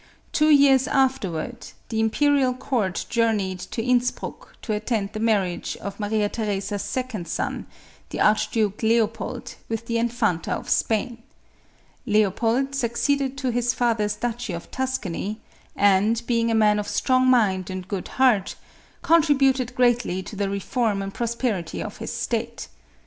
Two years afterward, the imperial court journeyed to In spruck, to attend the marriage of Maria Theresa's second son, the Archduke Leopold with the infanta of Spain. Leopold, succeeded to his father's duchy of Tuscany, and, being a man of strong mind and good heart, con tributed greatly to the reform and prosperity of his state.